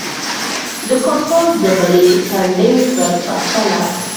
د کاساس د بلې څنډې په پرتله.